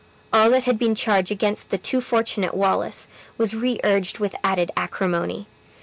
All that had been charged against the too fortunate Wallace, was re urged with added acrimony.